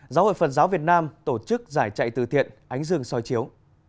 giáo hội phật giáo việt nam tổ chức giải chạy từ thiện ánh dương soi chiếu